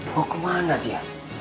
mau kemana dia